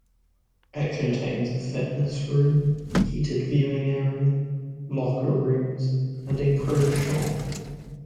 It contains a fitness room, heated viewing area, locker rooms, and a pro shop.